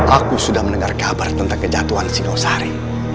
aku sudah mendengar kabar tentang kejatuhan sido sari